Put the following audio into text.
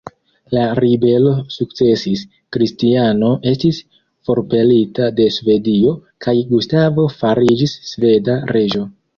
La ribelo sukcesis, Kristiano estis forpelita de Svedio, kaj Gustavo fariĝis sveda reĝo.